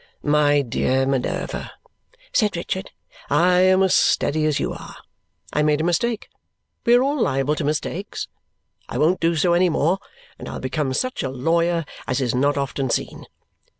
"My dear Minerva," said Richard, "I am as steady as you are. I made a mistake; we are all liable to mistakes; I won't do so any more, and I'll become such a lawyer as is not often seen.